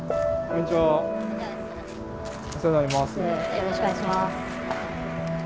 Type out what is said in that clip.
よろしくお願いします。